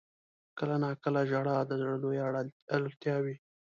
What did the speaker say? • کله ناکله ژړا د زړه لویه اړتیا وي.